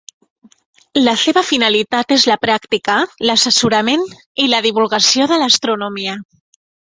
La seva finalitat és la pràctica, l'assessorament i la divulgació de l'astronomia.